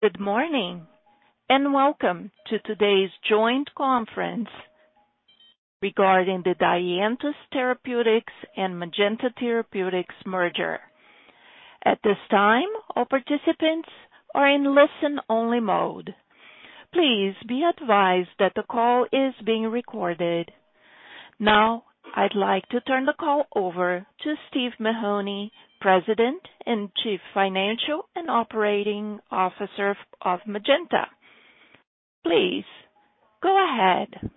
Good morning, welcome to today's joint conference regarding the Dianthus Therapeutics and Magenta Therapeutics merger. At this time, all participants are in listen-only mode. Please be advised that the call is being recorded. I'd like to turn the call over to Steve Mahoney, President and Chief Financial and Operating Officer of Magenta. Please go ahead.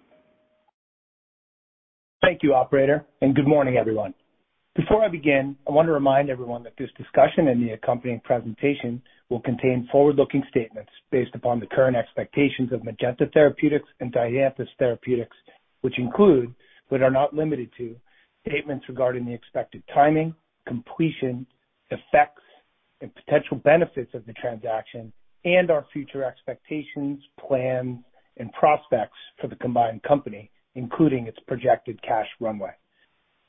Thank you, operator. Good morning, everyone. Before I begin, I want to remind everyone that this discussion and the accompanying presentation will contain forward-looking statements based upon the current expectations of Magenta Therapeutics and Dianthus Therapeutics, which include, but are not limited to, statements regarding the expected timing, completion, effects, and potential benefits of the transaction and our future expectations, plans, and prospects for the combined company, including its projected cash runway.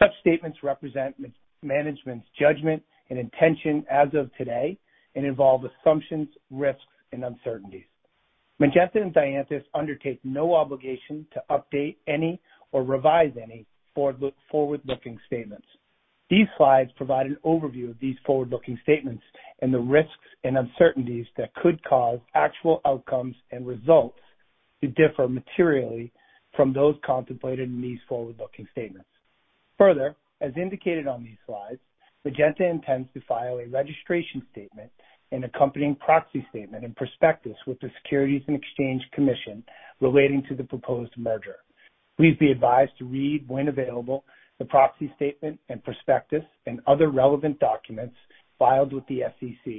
Such statements represent management's judgment and intention as of today and involve assumptions, risks, and uncertainties. Magenta and Dianthus undertake no obligation to update or revise any forward-looking statements. These slides provide an overview of these forward-looking statements and the risks and uncertainties that could cause actual outcomes and results to differ materially from those contemplated in these forward-looking statements. Further, as indicated on these slides, Magenta intends to file a registration statement, an accompanying proxy statement, and prospectus with the Securities and Exchange Commission relating to the proposed merger. Please be advised to read, when available, the proxy statement and prospectus and other relevant documents filed with the SEC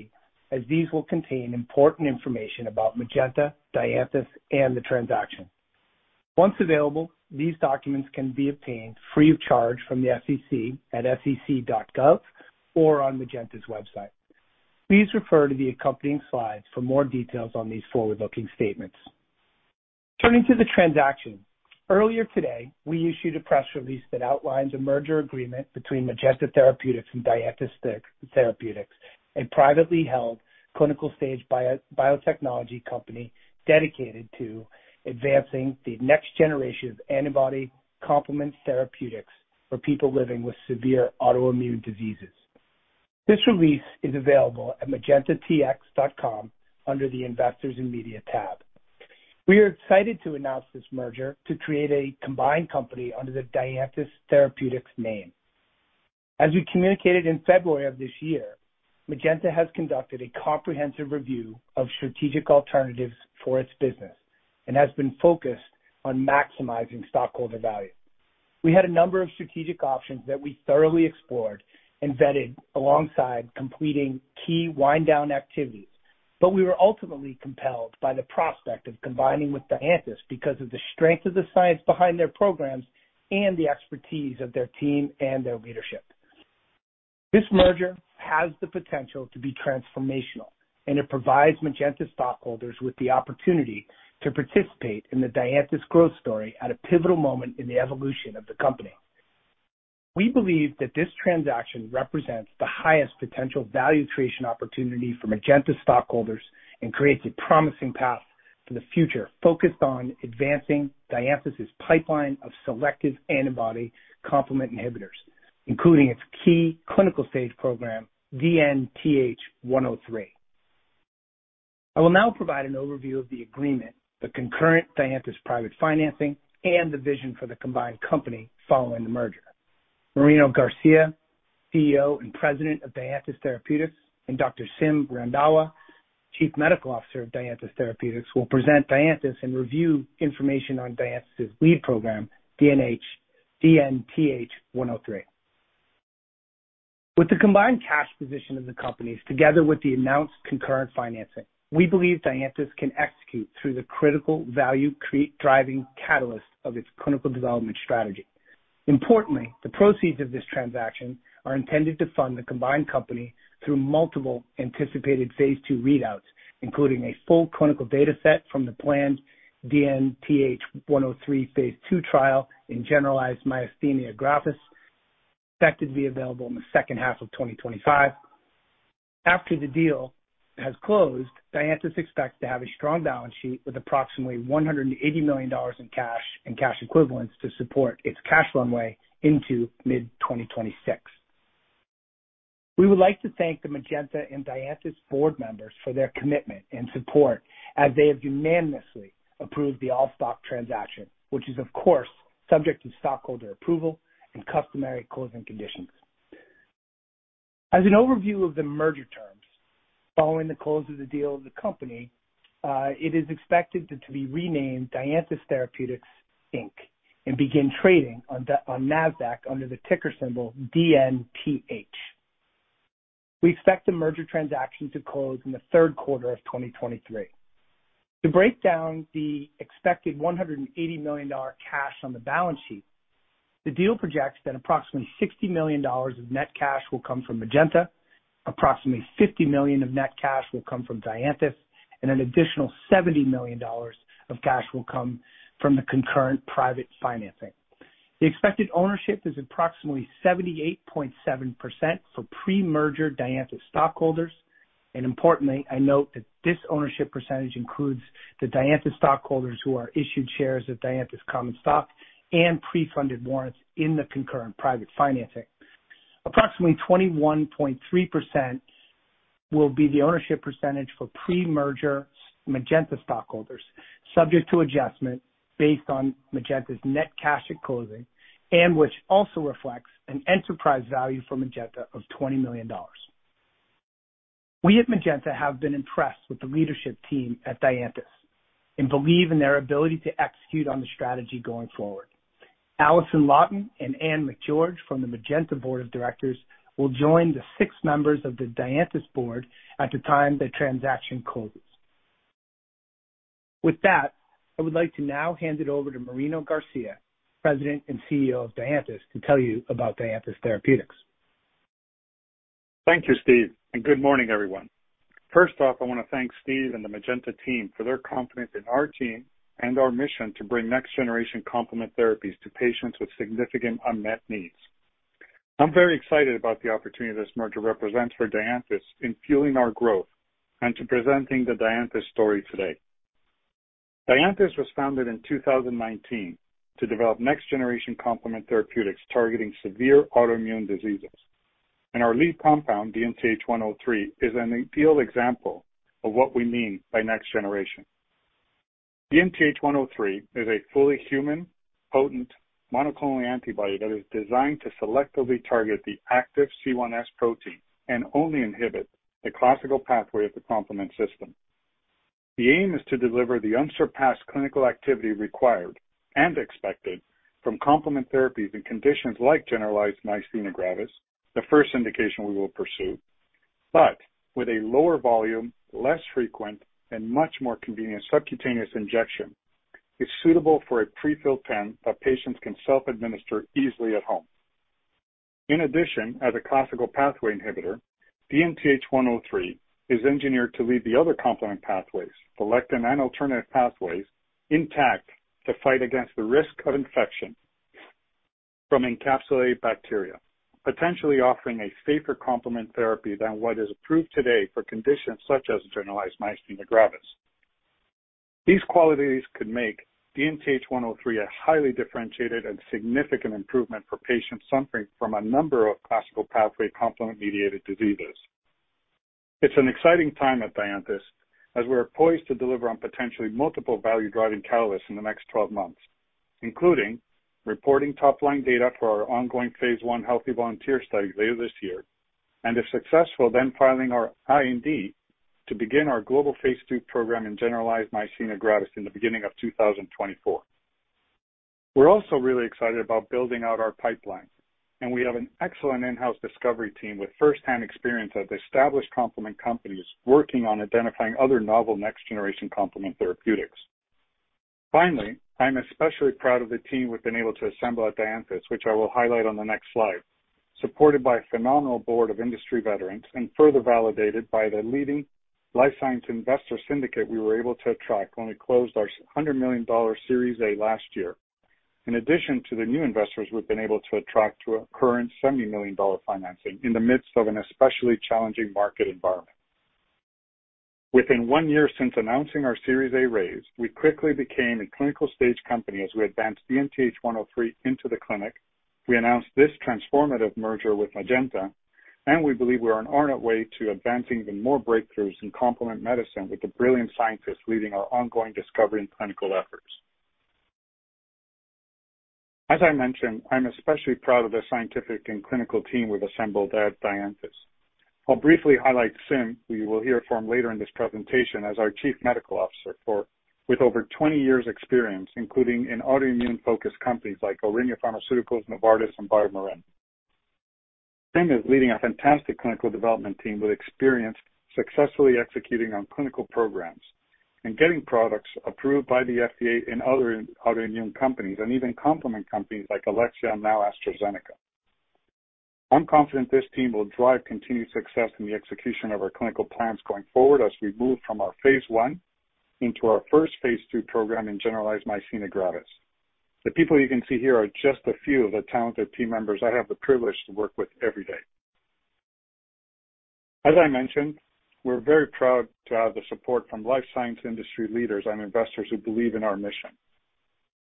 as these will contain important information about Magenta, Dianthus, and the transaction. Once available, these documents can be obtained free of charge from the SEC at sec.gov or on Magenta's website. Please refer to the accompanying slides for more details on these forward-looking statements. Turning to the transaction. Earlier today, we issued a press release that outlines a merger agreement between Magenta Therapeutics and Dianthus Therapeutics, a privately held clinical-stage biotechnology company dedicated to advancing the next generation of antibody complement therapeutics for people living with severe autoimmune diseases. This release is available at magentatx.com under the Investors and Media tab. We are excited to announce this merger to create a combined company under the Dianthus Therapeutics name. As we communicated in February of this year, Magenta has conducted a comprehensive review of strategic alternatives for its business and has been focused on maximizing stockholder value. We had a number of strategic options that we thoroughly explored and vetted alongside completing key wind-down activities. We were ultimately compelled by the prospect of combining with Dianthus because of the strength of the science behind their programs and the expertise of their team and their leadership. This merger has the potential to be transformational. It provides Magenta stockholders with the opportunity to participate in the Dianthus growth story at a pivotal moment in the evolution of the company. We believe that this transaction represents the highest potential value creation opportunity for Magenta stockholders and creates a promising path for the future focused on advancing Dianthus' pipeline of selective antibody complement inhibitors, including its key clinical stage program, DNTH103. I will now provide an overview of the agreement, the concurrent Dianthus private financing, and the vision for the combined company following the merger. Marino Garcia, CEO and President of Dianthus Therapeutics, and Dr. Simrat Randhawa, Chief Medical Officer of Dianthus Therapeutics, will present Dianthus and review information on Dianthus' lead program, DNTH103. With the combined cash position of the companies, together with the announced concurrent financing, we believe Dianthus can execute through the critical value create driving catalyst of its clinical development strategy. Importantly, the proceeds of this transaction are intended to fund the combined company through multiple anticipated phase two readouts, including a full clinical data set from the planned DNTH103 phase two trial in generalized myasthenia gravis, expected to be available in the second half of 2025. After the deal has closed, Dianthus expects to have a strong balance sheet with approximately $180 million in cash and cash equivalents to support its cash runway into mid-2026. We would like to thank the Magenta and Dianthus board members for their commitment and support as they have unanimously approved the all-stock transaction, which is of course subject to stockholder approval and customary closing conditions. As an overview of the merger terms, following the close of the deal of the company, it is expected to be renamed Dianthus Therapeutics, Inc. begin trading on the, on Nasdaq under the ticker symbol DNTH. We expect the merger transaction to close in the third quarter of 2023. To break down the expected $180 million cash on the balance sheet, the deal projects that approximately $60 million of net cash will come from Magenta, approximately $50 million of net cash will come from Dianthus, and an additional $70 million of cash will come from the concurrent private financing. The expected ownership is approximately 78.7% for pre-merger Dianthus stockholders. Importantly, I note that this ownership percentage includes the Dianthus stockholders who are issued shares of Dianthus common stock and pre-funded warrants in the concurrent private financing. Approximately 21.3% will be the ownership percentage for pre-merger Magenta stockholders, subject to adjustment based on Magenta's net cash at closing, and which also reflects an enterprise value for Magenta of $20 million. We at Magenta have been impressed with the leadership team at Dianthus and believe in their ability to execute on the strategy going forward. Alison Lawton and Anne McGeorge from the Magenta Board of Directors will join the six members of the Dianthus board at the time the transaction closes. With that, I would like to now hand it over to Marino Garcia, President and CEO of Dianthus, to tell you about Dianthus Therapeutics. Thank you, Steve, and good morning, everyone. First off, I want to thank Steve and the Magenta team for their confidence in our team and our mission to bring next-generation complement therapies to patients with significant unmet needs. I'm very excited about the opportunity this merger represents for Dianthus in fueling our growth and to presenting the Dianthus story today. Dianthus was founded in 2019 to develop next-generation complement therapeutics targeting severe autoimmune diseases, and our lead compound, DNTH103, is an ideal example of what we mean by next generation. DNTH103 is a fully human, potent, monoclonal antibody that is designed to selectively target the active C1s protein and only inhibit the classical pathway of the complement system. The aim is to deliver the unsurpassed clinical activity required and expected from complement therapies in conditions like generalized myasthenia gravis, the first indication we will pursue, but with a lower volume, less frequent, and much more convenient subcutaneous injection. It's suitable for a pre-filled pen that patients can self-administer easily at home. In addition, as a classical pathway inhibitor, DNTH103 is engineered to leave the other complement pathways, the lectin and alternative pathways, intact to fight against the risk of infection from encapsulated bacteria, potentially offering a safer complement therapy than what is approved today for conditions such as generalized myasthenia gravis. These qualities could make DNTH103 a highly differentiated and significant improvement for patients suffering from a number of classical pathway complement-mediated diseases. It's an exciting time at Dianthus as we are poised to deliver on potentially multiple value-driving catalysts in the next 12 months, including reporting top-line data for our ongoing Phase 1 healthy volunteer study later this year. If successful, then filing our IND to begin our global Phase 2 program in generalized myasthenia gravis in the beginning of 2024. We're also really excited about building out our pipeline, and we have an excellent in-house discovery team with firsthand experience at established complement companies working on identifying other novel next-generation complement therapeutics. Finally, I'm especially proud of the team we've been able to assemble at Dianthus, which I will highlight on the next slide, supported by a phenomenal board of industry veterans and further validated by the leading life science investor syndicate we were able to attract when we closed our $100 million Series A last year. In addition to the new investors we've been able to attract to a current $70 million financing in the midst of an especially challenging market environment. Within 1 year since announcing our Series A raise, we quickly became a clinical-stage company as we advanced DNTH103 into the clinic. We announced this transformative merger with Magenta, and we believe we're on our way to advancing even more breakthroughs in complement medicine with the brilliant scientists leading our ongoing discovery and clinical efforts. As I mentioned, I'm especially proud of the scientific and clinical team we've assembled at Dianthus. I'll briefly highlight Sim, who you will hear from later in this presentation as our chief medical officer with over 20 years experience, including in autoimmune-focused companies like Aurinia Pharmaceuticals, Novartis, and BioMarin. Sim is leading a fantastic clinical development team with experience successfully executing on clinical programs and getting products approved by the FDA in other autoimmune companies and even complement companies like Alexion, now AstraZeneca. I'm confident this team will drive continued success in the execution of our clinical plans going forward as we move from our phase I into our first phase II program in generalized myasthenia gravis. The people you can see here are just a few of the talented team members I have the privilege to work with every day. As I mentioned, we're very proud to have the support from life science industry leaders and investors who believe in our mission.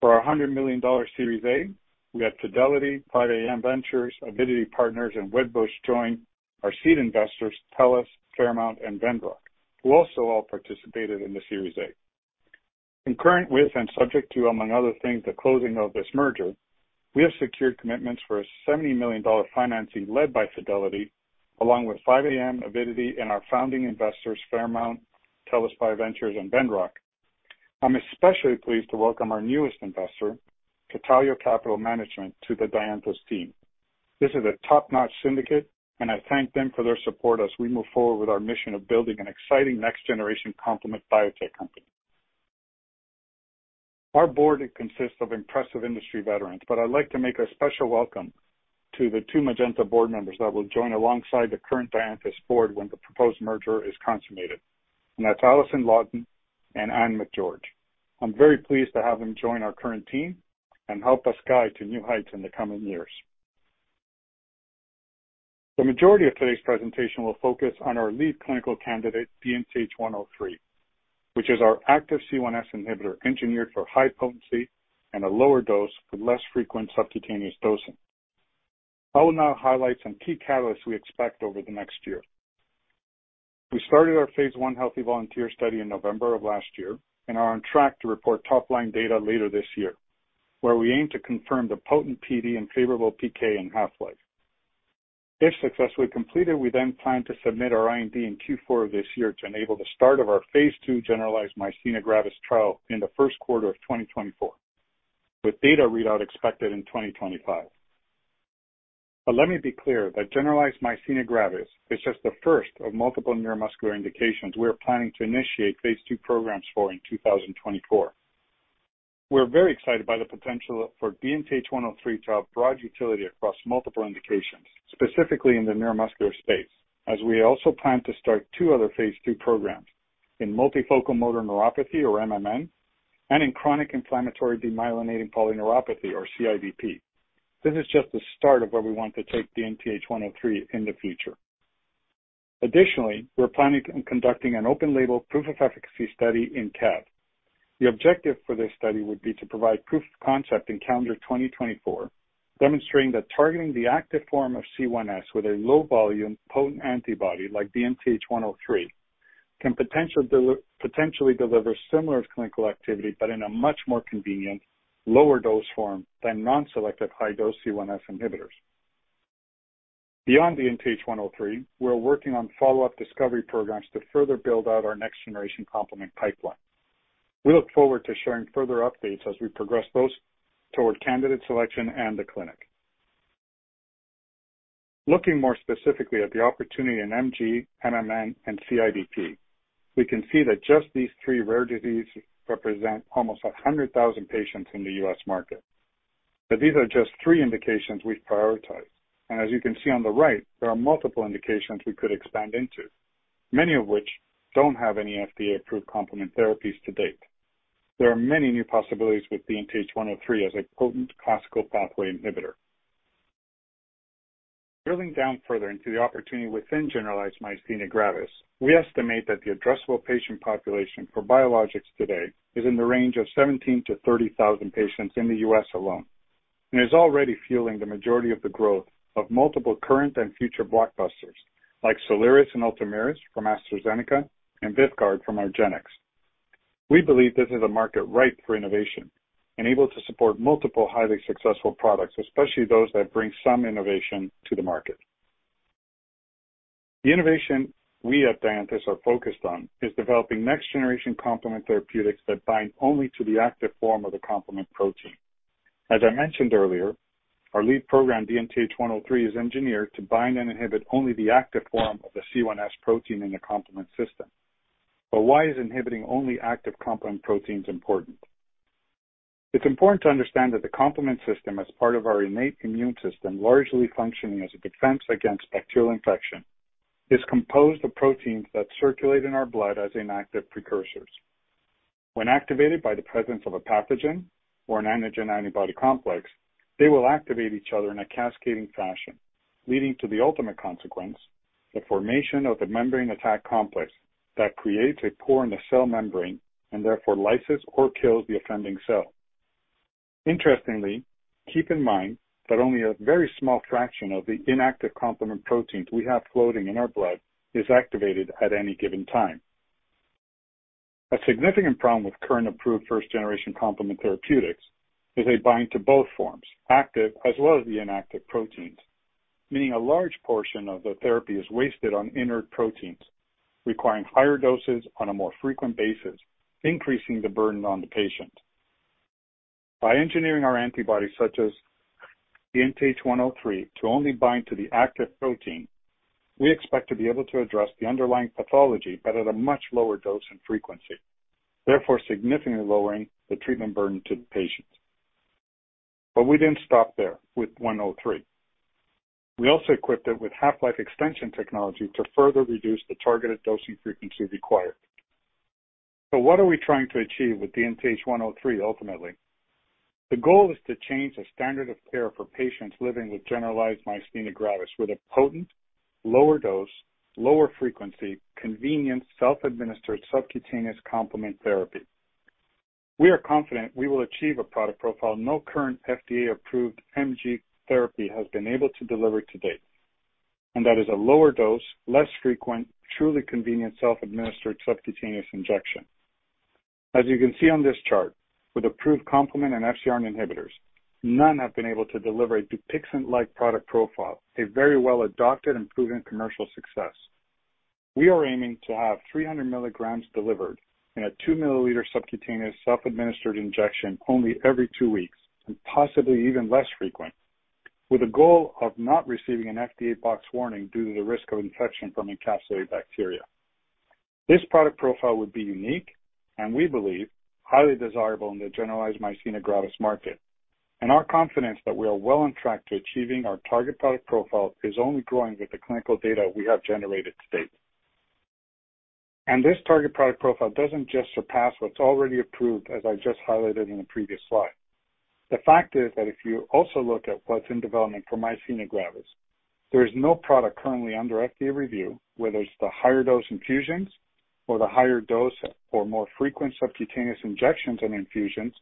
For our $100 million Series A, we have Fidelity, 5AM Ventures, Avidity Partners, and Wedbush join our seed investors, Tellus, Fairmount, and Venrock, who also all participated in the Series A. Concurrent with and subject to, among other things, the closing of this merger, we have secured commitments for a $70 million financing led by Fidelity, along with 5AM, Avidity, and our founding investors, Fairmount, Tellus BioVentures and Venrock. I'm especially pleased to welcome our newest investor, Catalio Capital Management, to the Dianthus team. This is a top-notch syndicate, and I thank them for their support as we move forward with our mission of building an exciting next-generation complement biotech company. Our board consists of impressive industry veterans, but I'd like to make a special welcome to the two Magenta board members that will join alongside the current Dianthus board when the proposed merger is consummated, and that's Alison Lawton and Anne McGeorge. I'm very pleased to have them join our current team and help us sky to new heights in the coming years. The majority of today's presentation will focus on our lead clinical candidate, DNTH103, which is our active C1s inhibitor engineered for high potency and a lower dose with less frequent subcutaneous dosing. I will now highlight some key catalysts we expect over the next year. We started our phase I healthy volunteer study in November of last year and are on track to report top-line data later this year, where we aim to confirm the potent PD and favorable PK and half-life. If successfully completed, we then plan to submit our IND in Q4 of this year to enable the start of our phase II generalized myasthenia gravis trial in the first quarter of 2024, with data readout expected in 2025. Let me be clear that generalized myasthenia gravis is just the first of multiple neuromuscular indications we are planning to initiate phase 2 programs for in 2024. We're very excited by the potential for DNTH103 to have broad utility across multiple indications, specifically in the neuromuscular space, as we also plan to start two other phase 2 programs in multifocal motor neuropathy, or MMN, and in chronic inflammatory demyelinating polyneuropathy, or CIDP. This is just the start of where we want to take DNTH103 in the future. Additionally, we're planning on conducting an open-label proof of efficacy study in TED. The objective for this study would be to provide proof of concept in calendar 2024, demonstrating that targeting the active form of C1s with a low volume potent antibody like DNTH103 can potentially deliver similar clinical activity, in a much more convenient lower dose form than non-selective high dose C1s inhibitors. Beyond DNTH103, we're working on follow-up discovery programs to further build out our next generation complement pipeline. We look forward to sharing further updates as we progress both toward candidate selection and the clinic. Looking more specifically at the opportunity in MG, MMN, and CIDP, we can see that just these three rare diseases represent almost 100,000 patients in the US market. These are just three indications we've prioritized. As you can see on the right, there are multiple indications we could expand into, many of which don't have any FDA-approved complement therapies to date. There are many new possibilities with DNTH103 as a potent classical pathway inhibitor. Drilling down further into the opportunity within generalized myasthenia gravis, we estimate that the addressable patient population for biologics today is in the range of 17,000-30,000 patients in the U.S. alone, and is already fueling the majority of the growth of multiple current and future blockbusters like Soliris and Ultomiris from AstraZeneca and VYVGART from argenx. We believe this is a market ripe for innovation and able to support multiple highly successful products, especially those that bring some innovation to the market. The innovation we at Dianthus are focused on is developing next generation complement therapeutics that bind only to the active form of the complement protein. As I mentioned earlier, our lead program, DNTH103, is engineered to bind and inhibit only the active form of the C1s protein in the complement system. Why is inhibiting only active complement proteins important? It's important to understand that the complement system is part of our innate immune system, largely functioning as a defense against bacterial infection, is composed of proteins that circulate in our blood as inactive precursors. When activated by the presence of a pathogen or an antigen antibody complex, they will activate each other in a cascading fashion, leading to the ultimate consequence, the formation of a membrane attack complex that creates a pore in the cell membrane and therefore lyses or kills the offending cell. Interestingly, keep in mind that only a very small fraction of the inactive complement proteins we have floating in our blood is activated at any given time. A significant problem with current approved first generation complement therapeutics is they bind to both forms, active as well as the inactive proteins, meaning a large portion of the therapy is wasted on inert proteins, requiring higher doses on a more frequent basis, increasing the burden on the patient. By engineering our antibodies such as DNTH103 to only bind to the active protein, we expect to be able to address the underlying pathology, at a much lower dose and frequency, therefore significantly lowering the treatment burden to the patient. We didn't stop there with 103. We also equipped it with half-life extension technology to further reduce the targeted dosing frequency required. What are we trying to achieve with DNTH103 ultimately? The goal is to change the standard of care for patients living with generalized myasthenia gravis with a potent lower dose, lower frequency, convenient, self-administered subcutaneous complement therapy. We are confident we will achieve a product profile no current FDA-approved MG therapy has been able to deliver to date. That is a lower dose, less frequent, truly convenient, self-administered subcutaneous injection. As you can see on this chart, with approved complement and FcRn inhibitors, none have been able to deliver a DUPIXENT-like product profile, a very well adopted and proven commercial success. We are aiming to have 300 milligrams delivered in a two-milliliter subcutaneous self-administered injection only every two weeks, and possibly even less frequent, with a goal of not receiving an FDA box warning due to the risk of infection from encapsulated bacteria. This product profile would be unique and we believe, highly desirable in the generalized myasthenia gravis market. Our confidence that we are well on track to achieving our target product profile is only growing with the clinical data we have generated to date. This target product profile doesn't just surpass what's already approved, as I just highlighted in the previous slide. The fact is that if you also look at what's in development for myasthenia gravis, there is no product currently under FDA review, whether it's the higher dose infusions or the higher dose or more frequent subcutaneous injections and infusions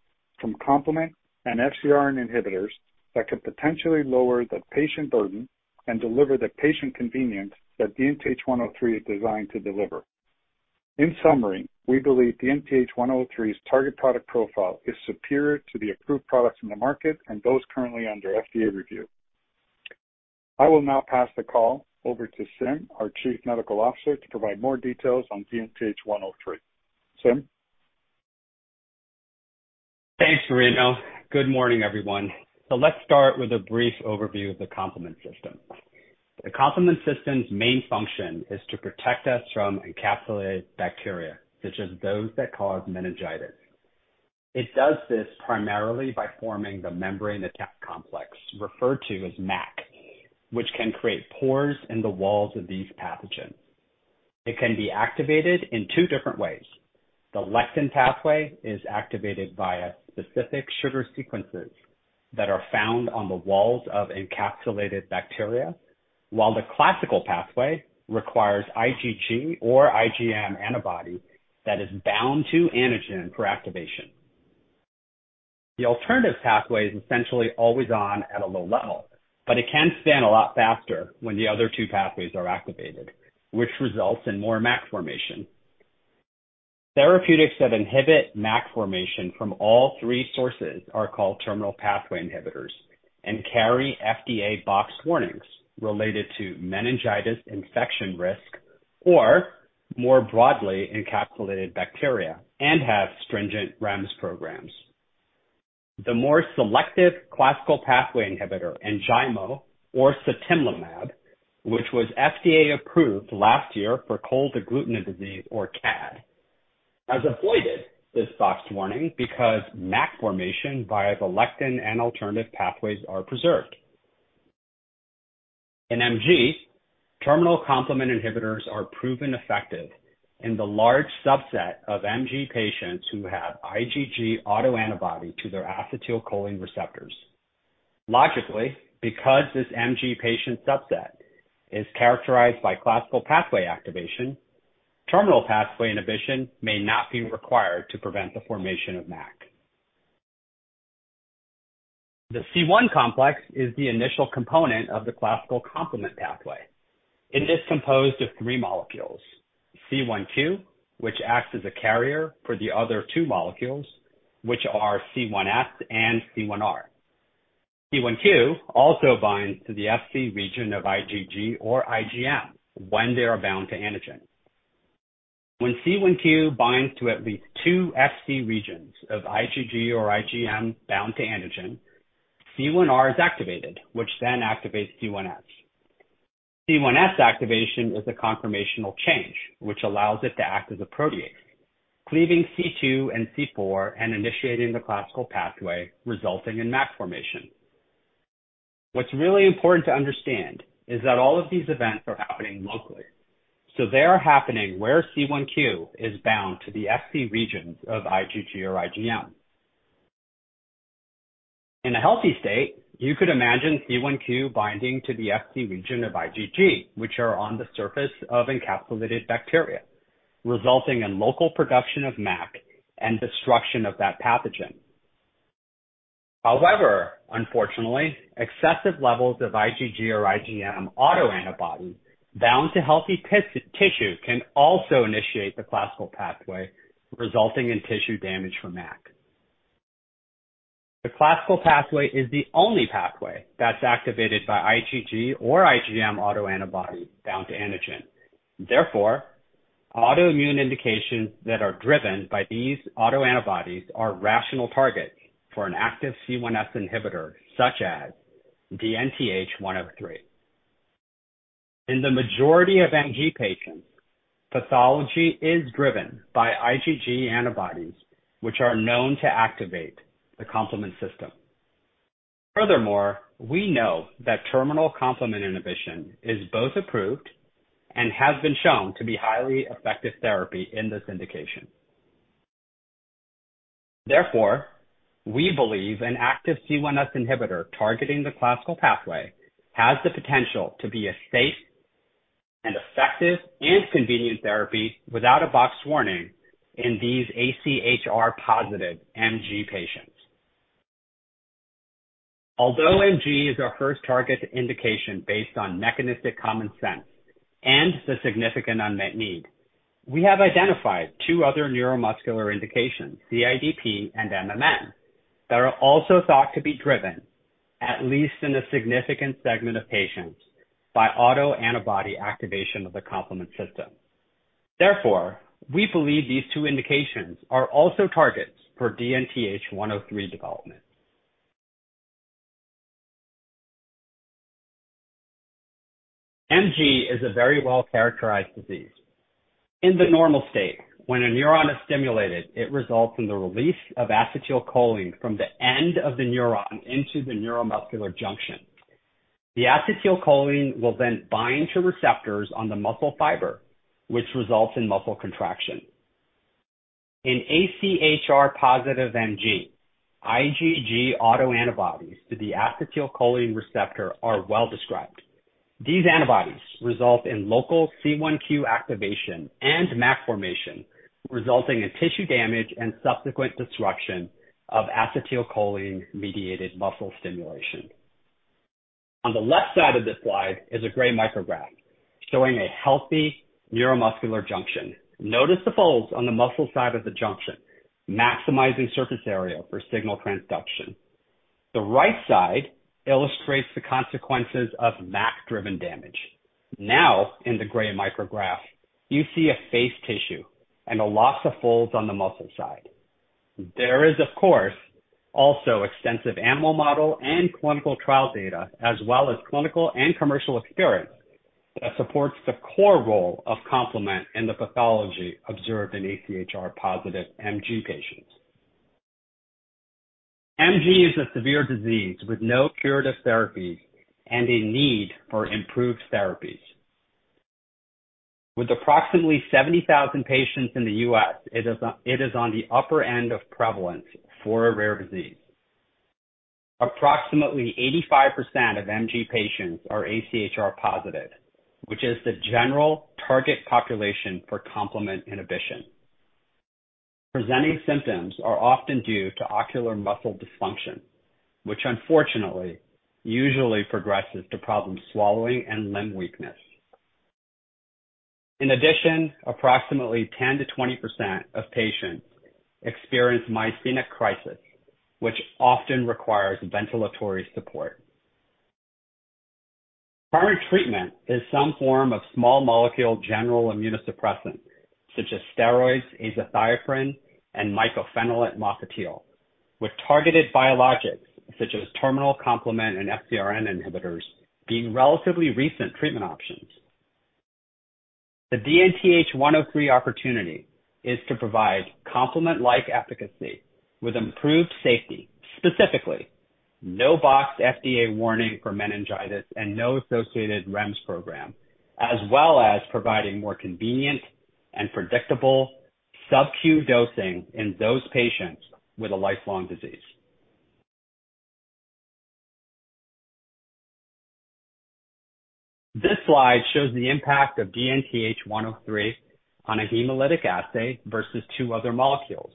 from complement and FcRn inhibitors that could potentially lower the patient burden and deliver the patient convenience that DNTH103 is designed to deliver. In summary, we believe DNTH103's target product profile is superior to the approved products in the market and those currently under FDA review. I will now pass the call over to Sim, our Chief Medical Officer, to provide more details on DNTH103. Sim? Thanks, Marino. Good morning, everyone. Let's start with a brief overview of the complement system. The complement system's main function is to protect us from encapsulated bacteria, such as those that cause meningitis. It does this primarily by forming the membrane attack complex, referred to as MAC, which can create pores in the walls of these pathogens. It can be activated in two different ways. The lectin pathway is activated via specific sugar sequences that are found on the walls of encapsulated bacteria, while the classical pathway requires IgG or IgM antibody that is bound to antigen for activation. The alternative pathway is essentially always on at a low level, but it can stand a lot faster when the other two pathways are activated, which results in more MAC formation. Therapeutics that inhibit MAC formation from all three sources are called terminal pathway inhibitors and carry FDA box warnings related to meningitis infection risk or more broadly, encapsulated bacteria and have stringent REMS programs. The more selective classical pathway inhibitor, Enjaymo or sutimlimab, which was FDA approved last year for cold agglutinin disease or CAD, has avoided this box warning because MAC formation via the lectin and alternative pathways are preserved. In MG, terminal complement inhibitors are proven effective in the large subset of MG patients who have IgG autoantibody to their acetylcholine receptors. Logically, because this MG patient subset is characterized by classical pathway activation, terminal pathway inhibition may not be required to prevent the formation of MAC. The C1 complex is the initial component of the classical complement pathway. It is composed of three molecules, C1q, which acts as a carrier for the other two molecules, which are C1s and C1r. C1q also binds to the Fc region of IgG or IgM when they are bound to antigen. When C1q binds to at least 2 Fc regions of IgG or IgM bound to antigen, C1r is activated, which then activates C1s. C1s activation is a conformational change which allows it to act as a protease, cleaving C2 and C4 and initiating the classical pathway, resulting in MAC formation. What's really important to understand is that all of these events are happening locally, so they are happening where C1q is bound to the Fc regions of IgG or IgM. In a healthy state, you could imagine C1q binding to the Fc region of IgG, which are on the surface of encapsulated bacteria, resulting in local production of MAC and destruction of that pathogen. However, unfortunately, excessive levels of IgG or IgM autoantibody bound to healthy tissue can also initiate the classical pathway, resulting in tissue damage from MAC. The classical pathway is the only pathway that's activated by IgG or IgM autoantibody bound to antigen. Therefore, autoimmune indications that are driven by these autoantibodies are rational targets for an active C1s inhibitor such as DNTH103. In the majority of MG patients, pathology is driven by IgG antibodies which are known to activate the complement system. Furthermore, we know that terminal complement inhibition is both approved and has been shown to be highly effective therapy in this indication. We believe an active C1s inhibitor targeting the classical pathway has the potential to be a safe and effective and convenient therapy without a box warning in these AChR positive MG patients. Although MG is our first target indication based on mechanistic common sense and the significant unmet need, we have identified two other neuromuscular indications, CIDP and MMN, that are also thought to be driven, at least in a significant segment of patients, by autoantibody activation of the complement system. We believe these two indications are also targets for DNTH103 development. MG is a very well-characterized disease. In the normal state, when a neuron is stimulated, it results in the release of acetylcholine from the end of the neuron into the neuromuscular junction. The acetylcholine will then bind to receptors on the muscle fiber, which results in muscle contraction. In AChR positive MG, IgG autoantibodies to the acetylcholine receptor are well described. These antibodies result in local C1q activation and MAC formation, resulting in tissue damage and subsequent disruption of acetylcholine-mediated muscle stimulation. On the left side of this slide is a gray micrograph showing a healthy neuromuscular junction. Notice the folds on the muscle side of the junction, maximizing surface area for signal transduction. The right side illustrates the consequences of MAC-driven damage. In the gray micrograph, you see a face tissue and a loss of folds on the muscle side. There is, of course, also extensive animal model and clinical trial data as well as clinical and commercial experience that supports the core role of complement in the pathology observed in AChR positive MG patients. MG is a severe disease with no curative therapies and a need for improved therapies. With approximately 70,000 patients in the US, it is on the upper end of prevalence for a rare disease. Approximately 85% of MG patients are AChR positive, which is the general target population for complement inhibition. Presenting symptoms are often due to ocular muscle dysfunction, which unfortunately usually progresses to problems swallowing and limb weakness. In addition, approximately 10%-20% of patients experience myasthenic crisis, which often requires ventilatory support. Current treatment is some form of small molecule general immunosuppressant, such as steroids, azathioprine, and mycophenolate mofetil, with targeted biologics such as terminal complement and FcRn inhibitors being relatively recent treatment options. The DNTH103 opportunity is to provide complement-like efficacy with improved safety, specifically no box FDA warning for meningitis and no associated REMS program, as well as providing more convenient and predictable sub-Q dosing in those patients with a lifelong disease. This slide shows the impact of DNTH103 on a hemolytic assay versus two other molecules,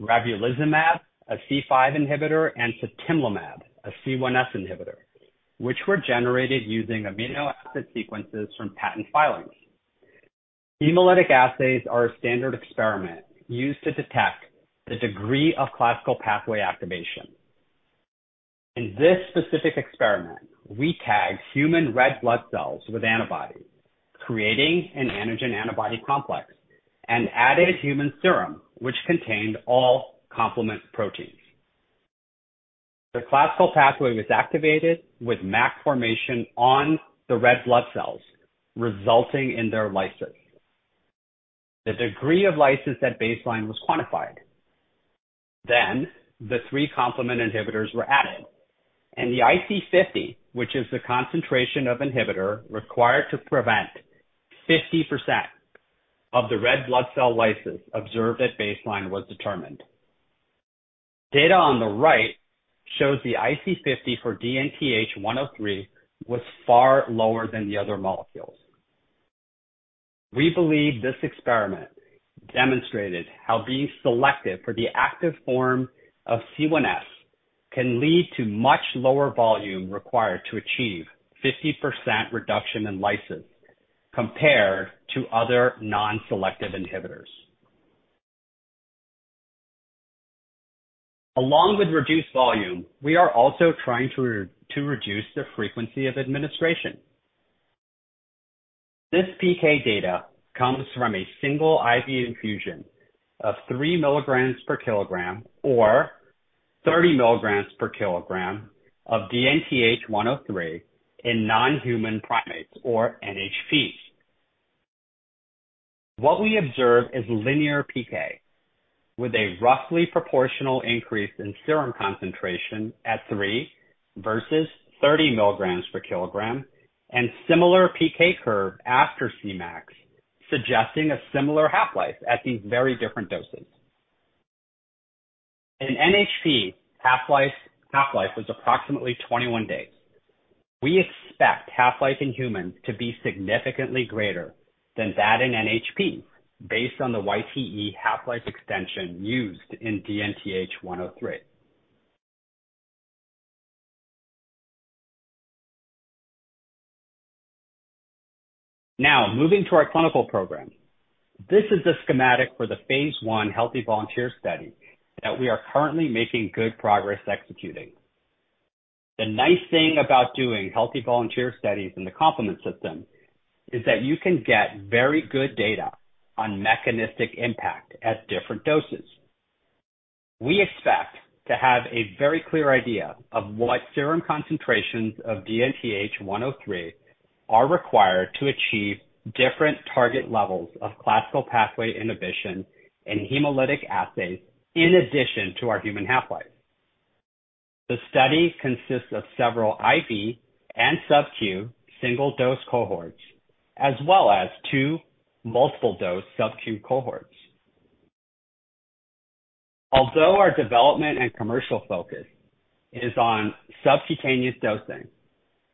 ravulizumab, a C5 inhibitor, and sutimlimab, a C1s inhibitor, which were generated using amino acid sequences from patent filings. Hemolytic assays are a standard experiment used to detect the degree of classical pathway activation. In this specific experiment, we tagged human red blood cells with antibodies, creating an antigen-antibody complex, and added human serum, which contained all complement proteins. The classical pathway was activated with MAC formation on the red blood cells, resulting in their lysis. The degree of lysis at baseline was quantified. The three complement inhibitors were added, and the IC50, which is the concentration of inhibitor required to prevent 50% of the red blood cell lysis observed at baseline, was determined. Data on the right shows the IC50 for DNTH103 was far lower than the other molecules. We believe this experiment demonstrated how being selective for the active form of C1s can lead to much lower volume required to achieve 50% reduction in lysis compared to other non-selective inhibitors. Along with reduced volume, we are also trying to reduce the frequency of administration. This PK data comes from a single IV infusion of three milligrams per kilogram or 30 milligrams per kilogram of DNTH103 in non-human primates, or NHP. What we observe is linear PK with a roughly proportional increase in serum concentration at three versus 30 milligrams per kilogram and similar PK curve after Cmax, suggesting a similar half-life at these very different doses. In NHP, half-life was approximately 21 days. We expect half-life in humans to be significantly greater than that in NHP based on the YTE half-life extension used in DNTH103. Moving to our clinical program. This is a schematic for the phase 1 healthy volunteer study that we are currently making good progress executing. The nice thing about doing healthy volunteer studies in the complement system is that you can get very good data on mechanistic impact at different doses. We expect to have a very clear idea of what serum concentrations of DNTH103 are required to achieve different target levels of classical pathway inhibition and hemolytic assays in addition to our human half-life. The study consists of several IV and sub-Q single-dose cohorts, as well as two multiple dose sub-Q cohorts. Although our development and commercial focus is on subcutaneous dosing,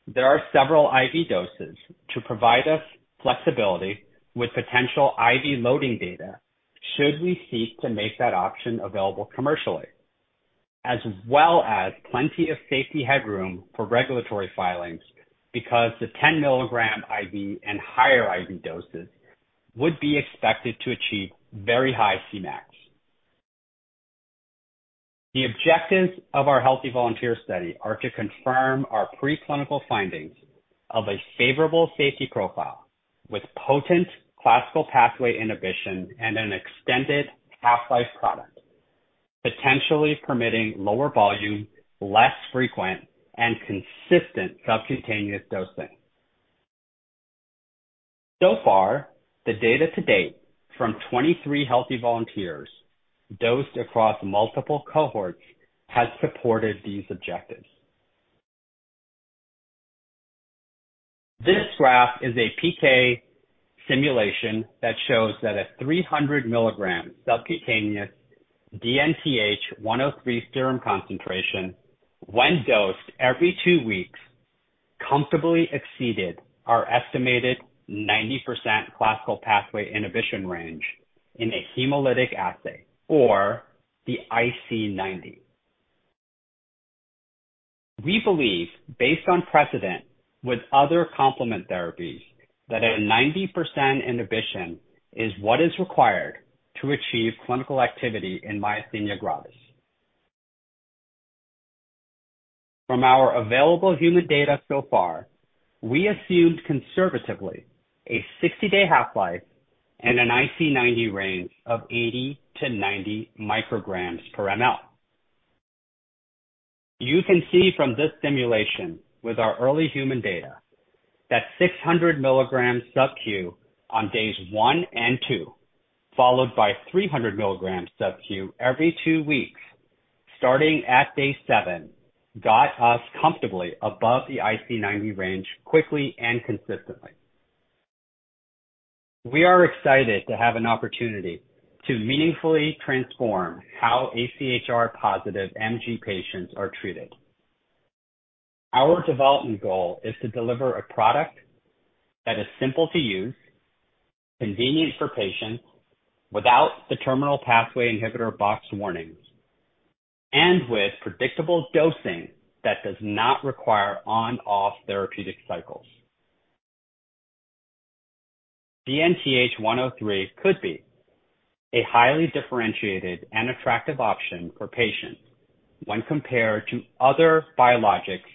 there are several IV doses to provide us flexibility with potential IV loading data should we seek to make that option available commercially, as well as plenty of safety headroom for regulatory filings because the 10-milligram IV and higher IV doses would be expected to achieve very high Cmax. The objectives of our healthy volunteer study are to confirm our preclinical findings of a favorable safety profile with potent classical pathway inhibition and an extended half-life product, potentially permitting lower volume, less frequent and consistent subcutaneous dosing. So far, the data to date from 23 healthy volunteers dosed across multiple cohorts has supported these objectives. This graph is a PK simulation that shows that a 300 milligrams subcutaneous DNTH103 serum concentration when dosed every two weeks, comfortably exceeded our estimated 90% classical pathway inhibition range in a hemolytic assay or the IC90. We believe, based on precedent with other complement therapies, that a 90% inhibition is what is required to achieve clinical activity in myasthenia gravis. From our available human data so far, we assumed conservatively a 60-day half-life and an IC90 range of 80 to 90 micrograms per mL. You can see from this simulation with our early human data that 600 milligrams sub-Q on days one and two, followed by 300 milligrams sub-Q every two weeks starting at day seven, got us comfortably above the IC90 range quickly and consistently. We are excited to have an opportunity to meaningfully transform how AChR positive MG patients are treated. Our development goal is to deliver a product that is simple to use, convenient for patients, without the terminal pathway inhibitor box warnings, and with predictable dosing that does not require on/off therapeutic cycles. DNTH103 could be a highly differentiated and attractive option for patients when compared to other biologics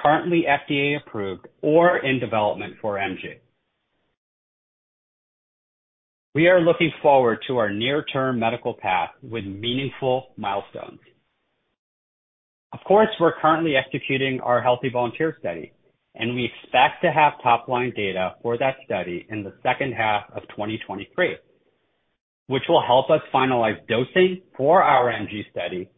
currently FDA approved or in development for MG. We are looking forward to our near-term medical path with meaningful milestones. Of course, we're currently executing our healthy volunteer study. We expect to have top line data for that study in the second half of 2023, which will help us finalize dosing for our MG study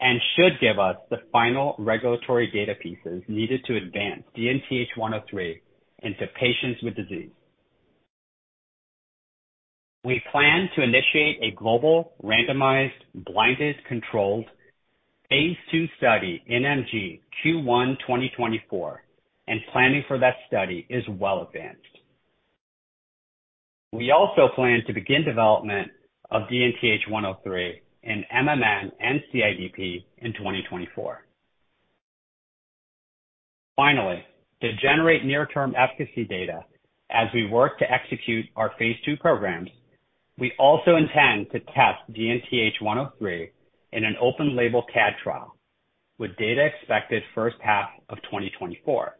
and should give us the final regulatory data pieces needed to advance DNTH103 into patients with disease. We plan to initiate a global randomized, blinded, controlled Phase 2 study in MG Q1 2024. Planning for that study is well advanced. We also plan to begin development of DNTH103 in MMN and CIDP in 2024. Finally, to generate near-term efficacy data as we work to execute our Phase 2 programs, we also intend to test DNTH103 in an open-label CAD trial with data expected first half of 2024.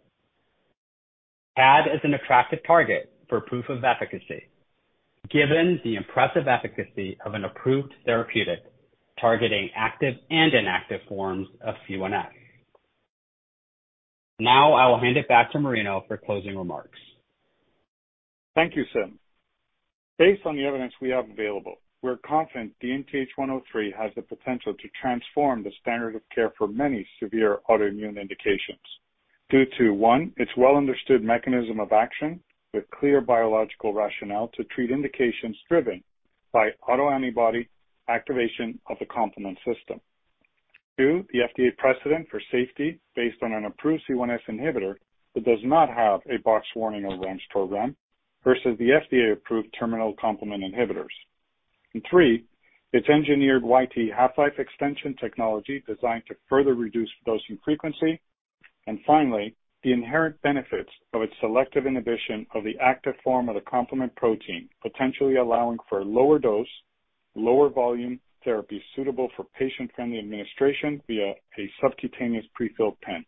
CAD is an attractive target for proof of efficacy, given the impressive efficacy of an approved therapeutic targeting active and inactive forms of C1s. I will hand it back to Marino for closing remarks. Thank you, Sim. Based on the evidence we have available, we're confident DNTH103 has the potential to transform the standard of care for many severe autoimmune indications due to, one, its well-understood mechanism of action with clear biological rationale to treat indications driven by autoantibody activation of the complement system. two, the FDA precedent for safety based on an approved C1s inhibitor that does not have a box warning or REMS program versus the FDA-approved terminal complement inhibitors. three, its engineered YTE half-life extension technology designed to further reduce dosing frequency. Finally, the inherent benefits of its selective inhibition of the active form of the complement protein, potentially allowing for a lower dose, lower volume therapy suitable for patient-friendly administration via a subcutaneous pre-filled pen.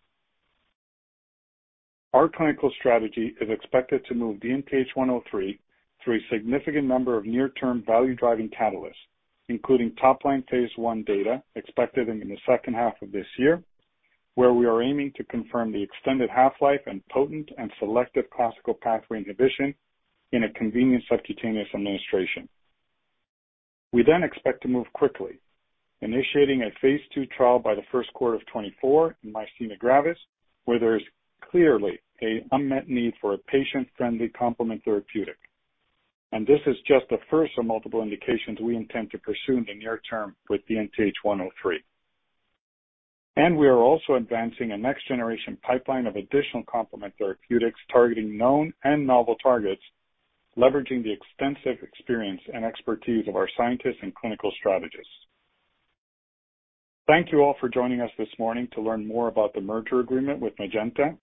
Our clinical strategy is expected to move DNTH103 through a significant number of near-term value-driving catalysts, including top line phase I data expected in the second half of this year, where we are aiming to confirm the extended half-life and potent and selective classical pathway inhibition in a convenient subcutaneous administration. We then expect to move quickly, initiating a phase II trial by the first quarter of 2024 in myasthenia gravis, where there is clearly an unmet need for a patient-friendly complement therapeutic. This is just the first of multiple indications we intend to pursue in the near term with DNTH103. We are also advancing a next-generation pipeline of additional complement therapeutics targeting known and novel targets, leveraging the extensive experience and expertise of our scientists and clinical strategists. Thank you all for joining us this morning to learn more about the merger agreement with Magenta,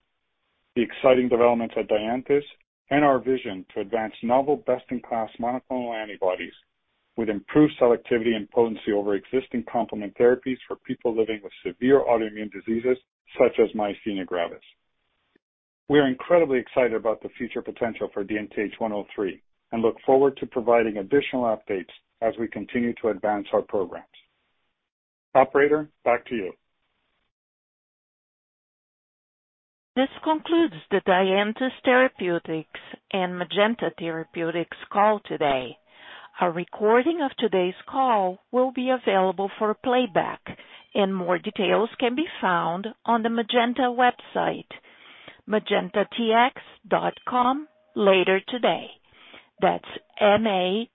the exciting developments at Dianthus, and our vision to advance novel best-in-class monoclonal antibodies with improved selectivity and potency over existing complement therapies for people living with severe autoimmune diseases such as generalized myasthenia gravis. We are incredibly excited about the future potential for DNTH103 and look forward to providing additional updates as we continue to advance our programs. Operator, back to you. This concludes the Dianthus Therapeutics and Magenta Therapeutics call today. A recording of today's call will be available for playback and more details can be found on the Magenta website, magentatx.com later today.